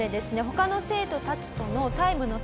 他の生徒たちとのタイムの差